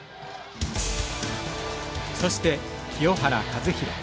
そして、清原和博。